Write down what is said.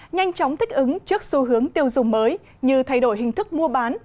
nhanh chóng thích ứng trước xu hướng tiêu dùng mới như thay đổi hình thức mua bán